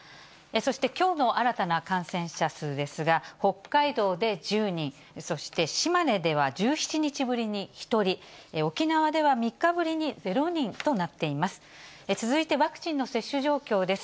そして、きょうの新たな感染者数ですが、北海道で１０人、そして島根では１７日ぶりに１人、沖縄では３日ぶりに０人となっています。